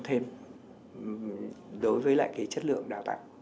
thêm đối với lại cái chất lượng đào tạo